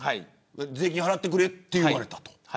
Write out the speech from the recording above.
税金払ってくれって言われたと。